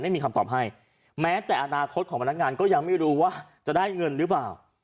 ไม่มีคำตอบให้แม้แต่อนาคตของพนักงานก็ยังไม่รู้ว่าจะได้เงินหรือเปล่า